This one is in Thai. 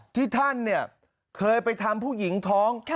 ที่ท่านเนี่ยเคยไปทำผู้หญิงท้อง